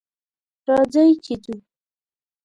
راځئ چې ځو!